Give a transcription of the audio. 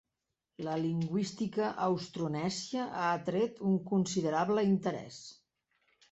La lingüística austronèsia ha atret un considerable interès.